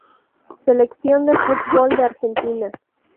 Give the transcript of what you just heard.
Selección de fútbol de Argentina